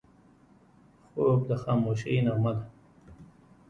خوب د خاموشۍ نغمه ده